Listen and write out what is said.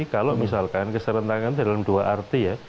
kalau misalkan keserentakan dalam dua arti ya